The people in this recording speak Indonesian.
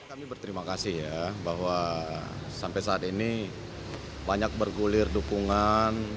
kami berterima kasih ya bahwa sampai saat ini banyak bergulir dukungan